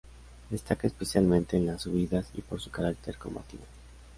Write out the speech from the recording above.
Destaca especialmente en las subidas y por su carácter combativo.